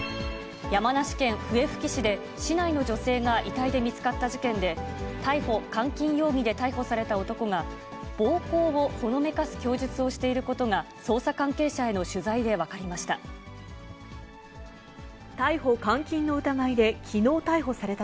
山梨県笛吹市で、市内の女性が遺体で見つかった事件で、逮捕・監禁容疑で逮捕された男が、暴行をほのめかす供述をしていることが、捜査関係者への取材で分かりました。